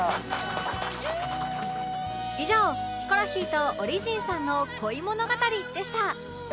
以上ヒコロヒーとオリジンさんの恋物語でした